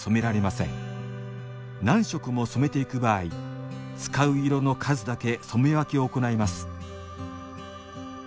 何色も染めていく場合使う色の数だけ染め分けを行います